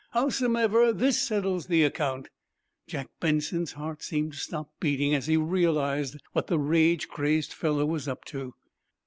Howsomever, this settles the account!" Jack Benson's heart seemed to stop beating as he realized what the rage crazed fellow was up to.